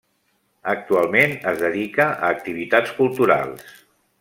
Actualment es dedica a activitats culturals.